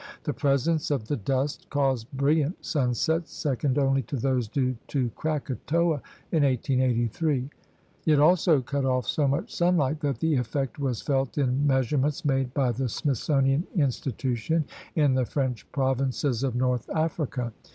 The presence of the dust caused brilliant sunsets second only to those due to Krakatoa in 1883. It also cut off so much sunlight that the effect was felt in measurements made by the Smithsonian In stitution in the French provinces of North Africa.